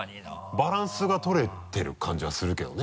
バランスが取れてる感じはするけどね。